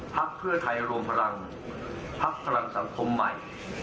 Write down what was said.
พักเพื่อไทยรวมพลังพักพลังสังคมใหม่